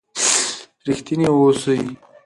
رښتیني اوسئ.